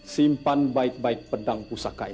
simpan baik baik pedang pusaka